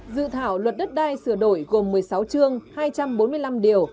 dự thảo luật đất đai sửa đổi gồm một mươi sáu chương hai trăm bốn mươi năm điều